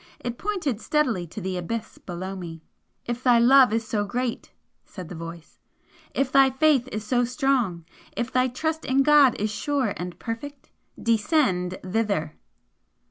It pointed steadily to the abyss below me. "If thy love is so great" said the voice "If thy faith is so strong if thy trust in God is sure and perfect descend thither!"